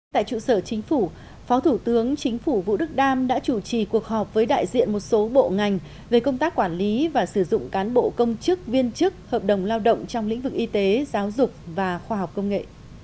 tại trụ sở chính phủ phó thủ tướng chính phủ vũ đức đam đã chủ trì cuộc họp với đại diện một số bộ ngành về công tác quản lý và sử dụng cán bộ công chức viên chức hợp đồng lao động trong lĩnh vực y tế giáo dục và khoa học công nghệ